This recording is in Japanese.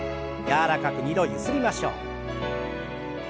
柔らかく２度ゆすりましょう。